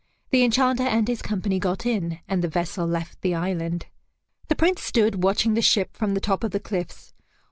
The Enchanter and his company got in, and the vessel left the island. The Prince stood watching the ship from the top of the cliffs.